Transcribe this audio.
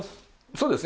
そうですね。